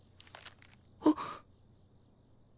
あっ。